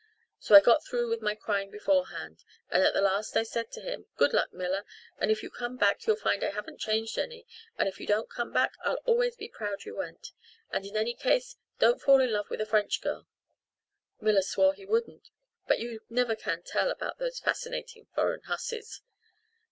So I got through with my crying beforehand, and at the last I said to him, 'Good luck, Miller, and if you come back you'll find I haven't changed any, and if you don't come back I'll always be proud you went, and in any case don't fall in love with a French girl.' Miller swore he wouldn't, but you never can tell about those fascinating foreign hussies.